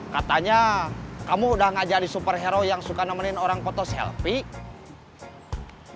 katanya kamu udah gak jadi superhero yang suka nemenin orang potos healthy